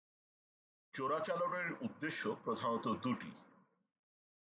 চোরাচালানের উদ্দেশ্য প্রধানত দুটি।